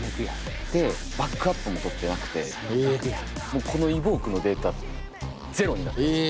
でバックアップも取ってなくてこの「Ｅｖｏｋｅ」のデータゼロになりました。